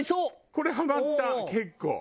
これハマった結構。